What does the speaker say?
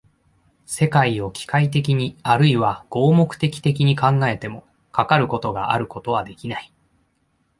世界を機械的にあるいは合目的的に考えても、かかることがあることはできない。